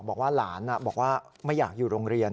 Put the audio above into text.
บอกว่าหลานไม่อยากอยู่โรงเรียน